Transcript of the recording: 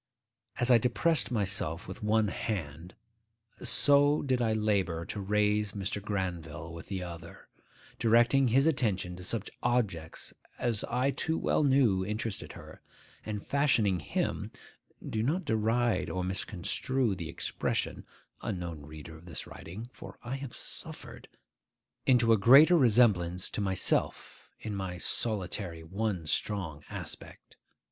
As I depressed myself with one hand, so did I labour to raise Mr. Granville with the other; directing his attention to such subjects as I too well knew interested her, and fashioning him (do not deride or misconstrue the expression, unknown reader of this writing; for I have suffered!) into a greater resemblance to myself in my solitary one strong aspect.